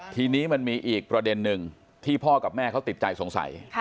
ทีนี้มันมีอีกประเด็นหนึ่งที่พ่อกับแม่เขาติดใจสงสัย